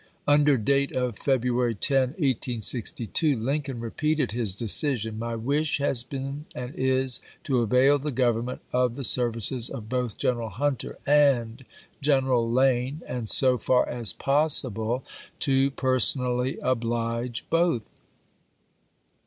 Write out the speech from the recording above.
Under date of February 10, 1862, Lincoln repeated his decision: "My wish has been and is to avail the Government of the services of both General Hunter HALLECK 85 and General Lane, and, so far as possible, to person chap. v. ally oblige both.